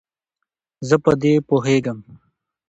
زه په دې پوهیږم.